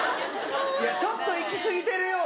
ちょっと行き過ぎてるような。